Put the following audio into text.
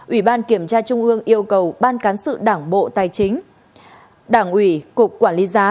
ủy ban kiểm tra trung ương yêu cầu ban cán sự đảng bộ tài chính đảng ủy cục quản lý giá